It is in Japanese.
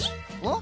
ん？